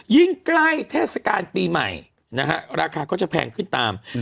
ยิ่งใกล้เทศกาลปีใหม่นะฮะราคาก็จะแพงขึ้นตาม